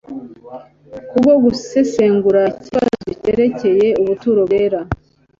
kubwo gusesengura ikibazo cyerekeye ubuturo bwera.